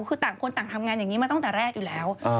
คือต่างคนต่างทำงานอย่างนี้มาตั้งแต่แรกอยู่แล้ว